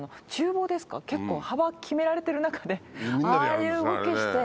厨房ですか結構幅決められてる中でああいう動きして。